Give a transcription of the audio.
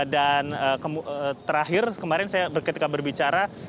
dan terakhir kemarin saya ketika berbicara